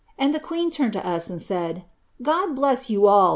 And ihe qneen lurned [o us, and said, ' God bless yon all.